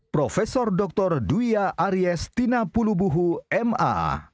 prof dr duya aries tina pulubuhu ma